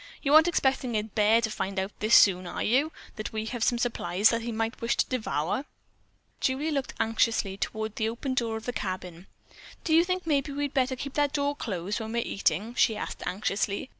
"You aren't expecting a bear to find out this soon, are you, that we have some supplies that he might wish to devour?" Julie looked anxiously toward the open door of the cabin. "Don't you think maybe we'd better keep that door closed when we're eating?" she asked anxiously.